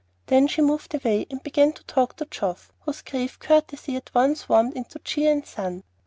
Then she moved away, and began to talk to Geoff, whose grave courtesy at once warmed into cheer and sun.